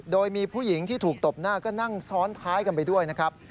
โดยมีผู้หญิงที่ถูกตบหน้าก็นั่งซ้อนท้ายกันไปด้วยนะครับ